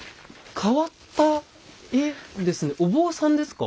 変わった絵ですね。